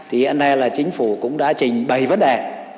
hiện nay là chính phủ cũng đã trình bảy vấn đề